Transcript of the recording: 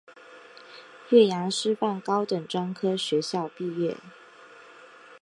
岳阳师范高等专科学校毕业。